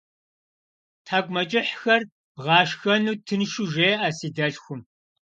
Тхьэкӏумэкӏыхьхэр бгъэшхэну тыншу жеӏэ си дэлъхум.